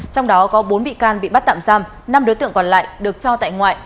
trong đó có bốn bị can bị bắt tạm giam năm đối tượng còn lại được cho tại ngoại